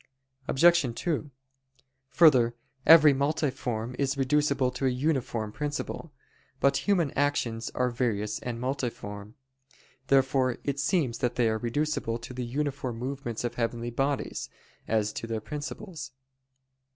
Obj. 2: Further, every multiform is reducible to a uniform principle. But human actions are various and multiform. Therefore it seems that they are reducible to the uniform movements of heavenly bodies, as to their principles.